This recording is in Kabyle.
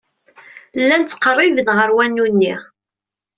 Llan ttqerriben ɣer wanu-nni.